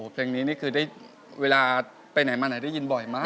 เพลงนี้นี่คือได้เวลาไปไหนมาไหนได้ยินบ่อยมาก